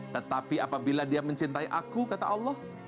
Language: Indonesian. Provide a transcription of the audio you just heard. tetapi apabila dia mencintai aku kata allah